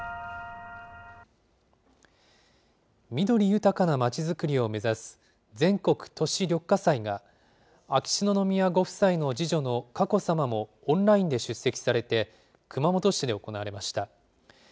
緑豊かな街づくりを目指す、全国都市緑化祭が秋篠宮ご夫妻の次女の佳子さまもオンラインで出席されて、熊本市で行われました。